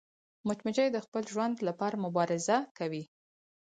مچمچۍ د خپل ژوند لپاره مبارزه کوي